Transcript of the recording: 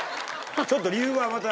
ちょっと理由がまた。